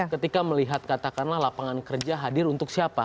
ketika melihat katakanlah lapangan kerja hadir untuk siapa